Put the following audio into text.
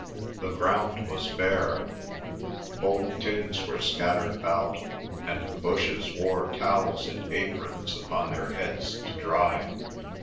The ground was bare, old tins were scattered about, and the bushes wore towels and aprons upon their heads to dry.